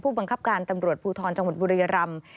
บังคับการตำรวจภูทรจังหวัดบุรียรำ